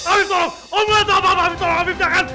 afif tolong om gak tau apa apa afif tolong afif jangan